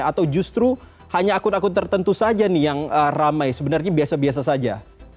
atau justru hanya akun akun tertentu saja nih yang ramai sebenarnya biasa biasa saja